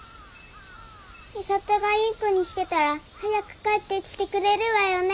美里がいい子にしてたら早く帰ってきてくれるわよね。